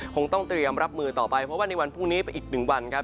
คงต้องเตรียมรับมือต่อไปเพราะว่าในวันพรุ่งนี้ไปอีก๑วันครับ